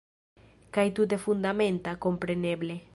Kaj tute fundamenta, kompreneble.